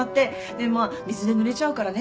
でまあ水でぬれちゃうからね